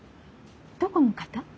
どこの方？